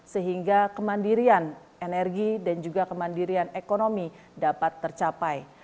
sehingga kemandirian energi dan juga kemandirian ekonomi dapat tercapai